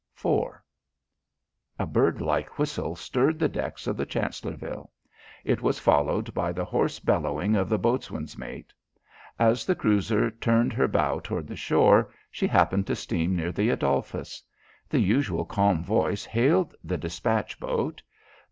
IV A bird like whistle stirred the decks of the Chancellorville. It was followed by the hoarse bellowing of the boatswain's mate. As the cruiser turned her bow toward the shore, she happened to steam near the Adolphus. The usual calm voice hailed the despatch boat.